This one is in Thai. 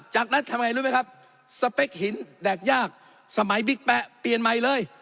จากนั้นทำไงรู้ไหมครับสเปคหินแดกยากสมัยบิ๊กแป๊ะเปลี่ยนใหม่เลย